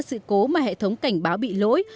sự cố mà hệ thống cảnh báo bị lỗi